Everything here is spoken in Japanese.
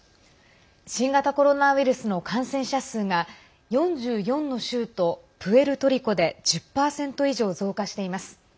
新型コロナウイルスの感染者数が４４の州とプエルトリコで１０％以上増加しています。